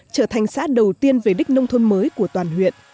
trở thành xã đầu tiên về đích nông thôn mới của toàn huyện